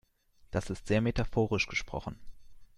Das ist sehr metaphorisch gesprochen.